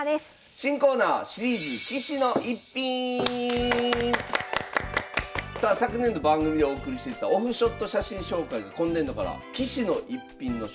新コーナーシリーズさあ昨年度番組でお送りしてきたオフショット写真紹介が今年度から「棋士の逸品」の紹介になります。